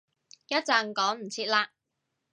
一陣趕唔切喇